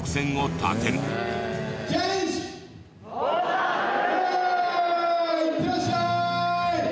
いってらっしゃい！